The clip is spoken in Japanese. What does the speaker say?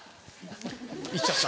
行っちゃった。